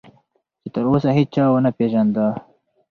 چې تراوسه هیچا ونه پېژانده.